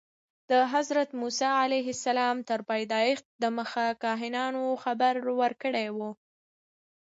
د حضرت موسی علیه السلام تر پیدایښت دمخه کاهنانو خبر ورکړی و.